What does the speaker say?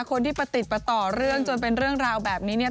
คนที่ประติดประต่อเรื่องจนเป็นเรื่องราวแบบนี้เนี่ย